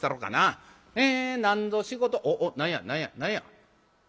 え何ぞ仕事おっおっ何や何や何や？」。